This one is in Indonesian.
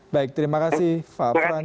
baik terima kasih pak fran